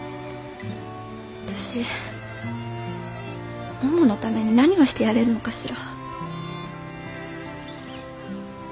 私もものために何をしてやれるのかしら。